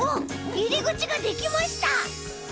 いりぐちができました！